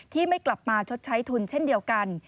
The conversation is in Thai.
ที่ไม่กลับมาชดใช้ทุนเช่นเดียวกัน